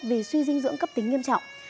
vì suy dinh dưỡng cấp tính nghiêm trọng